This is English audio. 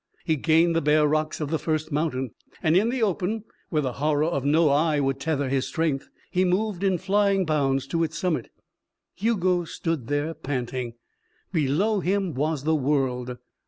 He gained the bare rocks of the first mountain, and in the open, where the horror of no eye would tether his strength, he moved in flying bounds to its summit. Hugo stood there, panting. Below him was the world.